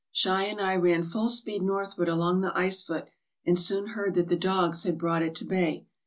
Schei and I ran full speed northward along the ice foot, and soon heard that the dogs had brought it to bay.